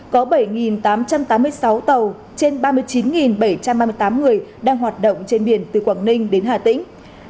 có bảy tám trăm tám mươi sáu tàu trên ba mươi chín bảy trăm ba mươi tám người đang hoạt động trên biển từ quảng ninh đến hà tĩnh